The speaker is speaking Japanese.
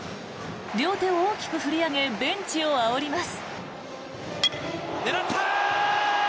両手を大きく振り上げベンチをあおります。